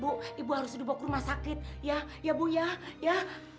bu ibu harus dibawa ke rumah sakit ya ya bu ya ya